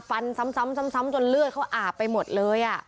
ฟันซ้ำจนเลือดเขาอาบไปหมดเลย